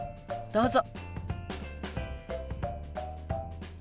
どうぞ。